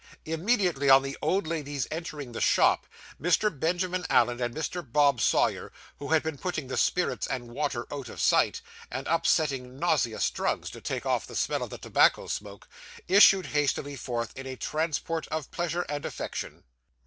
Immediately on the old lady's entering the shop, Mr. Benjamin Allen and Mr. Bob Sawyer, who had been putting the spirits and water out of sight, and upsetting nauseous drugs to take off the smell of the tobacco smoke, issued hastily forth in a transport of pleasure and affection.